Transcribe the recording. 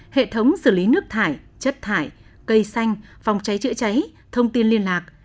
hệ thống xử lý nước thải chất thải cây xanh phòng cháy chữa cháy thông tin liên lạc